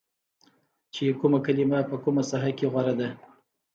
چې کومه کلمه په کومه ساحه کې غوره ده